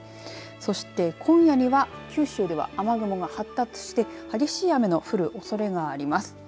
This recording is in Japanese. そして今夜には九州では雨雲が発達して激しい雨の降るおそれがあります。